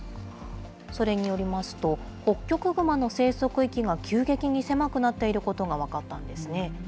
それによりますと、ホッキョクグマの生息域が急激に狭くなっていることが分かったんですね。